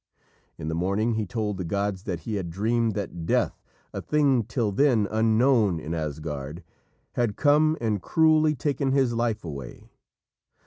In the morning he told the gods that he had dreamed that Death, a thing till then unknown in Asgard, had come and cruelly taken his life away.